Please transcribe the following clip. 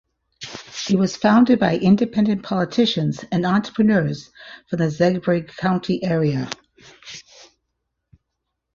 It was founded by independent politicians and entrepreneurs from the Zagreb County area.